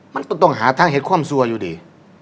มันก็ต้องหาทางเห็นความซัวอยู่ดี